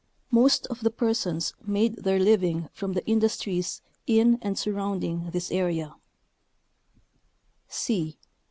Most of the persons made their living from the industries in and surrounding this area.